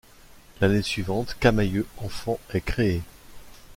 L'année suivante Camaïeu Enfant est créé.